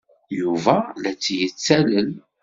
Yuba la tt-yettalel.